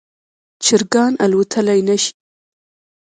چرګان الوتلی نشي